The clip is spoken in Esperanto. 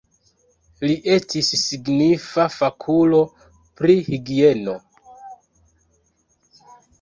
Li estis signifa fakulo pri higieno.